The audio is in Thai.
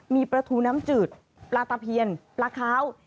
มีปลาทูน้ำจืดปลาตะเพียนปลาขาว